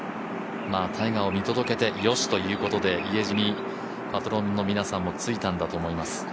タイガーを見届けて、よしということで家路にパトロンの皆さんもついたんだと思います。